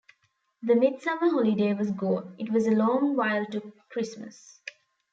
The midsummer holiday was gone; it was a long while to Christmas.